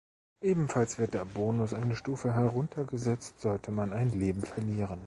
Ebenfalls wird der Bonus eine Stufe herunter gesetzt, sollte man ein Leben verlieren.